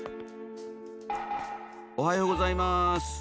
おはようございまーす。